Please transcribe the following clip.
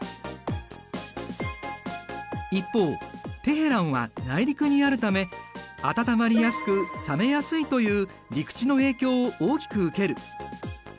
一方テヘランは内陸にあるため温まりやすく冷めやすいという陸地の影響を大きく受ける。